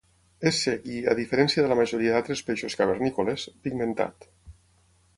És cec i, a diferència de la majoria d'altres peixos cavernícoles, pigmentat.